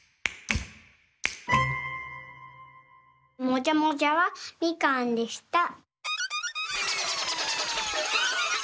もじゃもじゃはみかんでした。